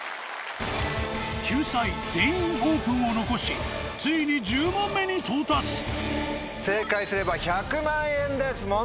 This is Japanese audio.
救済「全員オープン」を残しついに１０問目に到達正解すれば１００万円です。